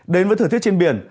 đến với thời tiết trên biển